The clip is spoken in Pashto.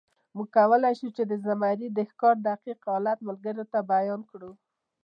موږ کولی شو، چې د زمري د ښکار دقیق حالت ملګرو ته بیان کړو.